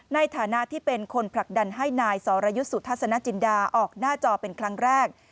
ในฐานะที่เป็นคนผลักดันให้นายสรยุทธ์สุทัศนจินดาออกหน้าจอเป็นครั้งแรก